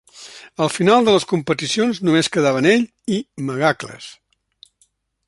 Al final de les competicions només quedaven ell i Megacles.